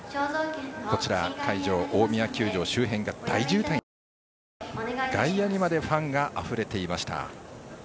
こちらの会場、大宮球場周辺が大渋滞となりまして外野にまでファンがあふれていました。